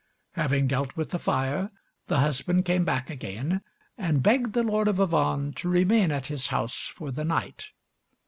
Having dealt with the fire, the husband came back again, and begged the Lord of Avannes to remain at his house for the night.